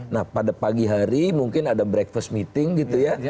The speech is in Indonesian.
nah pada pagi hari mungkin ada breakfast meeting gitu ya